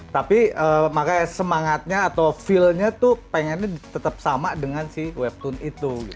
tapi makanya semangatnya atau feelnya tuh pengennya tetap sama dengan si webtoon itu